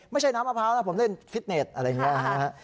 ไม่ใช่น้ำมะพร้าวนะผมเล่นฟิตเน็ตอะไรอย่างนี้